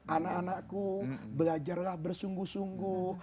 anak anakku belajarlah bersungguh sungguh